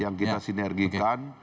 yang kita sinergikan